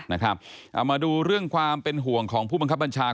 เอามาดูเรื่องความเป็นห่วงของผู้บังคับบัญชา